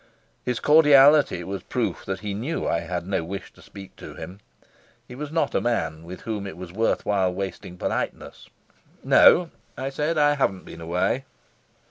His cordiality was proof that he knew I had no wish to speak to him. He was not a man with whom it was worth while wasting politeness. "No," I said; "I haven't been away."